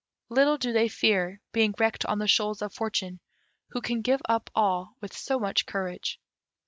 Little do they fear being wrecked on the shoals of Fortune, who can give up all with so much courage.